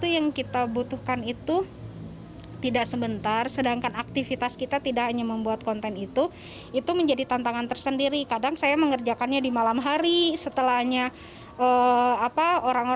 yang sebagian besar merupakan tunarungu